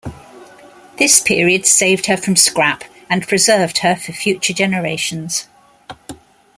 This period saved her from scrap, and preserved her for future generations.